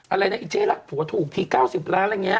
อะไรนะอีเจ๊รักผัวถูกที๙๐ล้านอะไรอย่างนี้